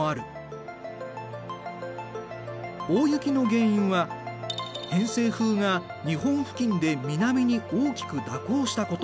大雪の原因は偏西風が日本付近で南に大きく蛇行したこと。